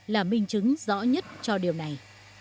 là minh chứng rõ nhất cho điều này